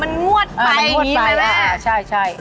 อ๋อมันงวดไปใช่